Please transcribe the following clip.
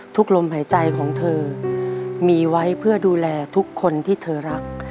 ลมหายใจของเธอมีไว้เพื่อดูแลทุกคนที่เธอรัก